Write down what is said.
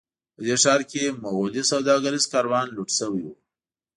په دې ښار کې مغولي سوداګریز کاروان لوټ شوی و.